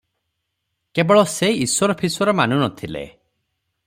କେବଳ ସେ ଈଶ୍ୱର ଫିଶ୍ୱର ମାନୁ ନ ଥିଲେ ।